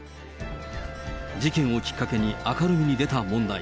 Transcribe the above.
事件をきっかけに明るみに出た問題。